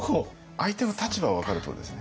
相手の立場を分かるってことですね。